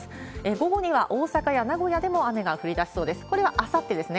午後には大阪や名古屋でも雨が降りだしそうです。